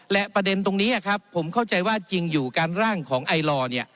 และประเด็นตรงนี้ครับผมเข้าใจว่าจริงอยู่การร่างของไอลอร์เนี่ย